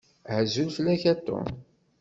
Azul fell-ak a Tom.